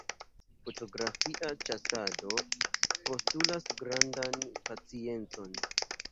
Fotografia ĉasado postulas grandan paciencon.